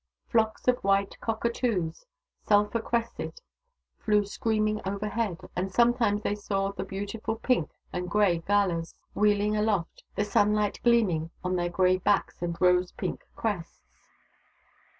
Flocks of white cockatoos, sulphur crested, flew screaming overhead, and sometimes they saw the beautiful pink and grey galahs, wheeling aloft, the sunlight gleaming on their grey backs and rose pink crests.